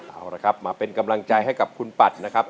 เอาละครับมาเป็นกำลังใจให้กับคุณปัดนะครับ